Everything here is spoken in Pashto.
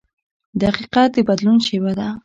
• دقیقه د بدلون شیبه ده.